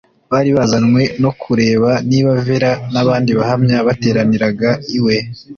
Bari bazanywe no kureba niba Vera n abandi Bahamya bateraniraga iwe